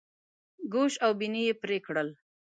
ګوش او بیني یې پرې کړل.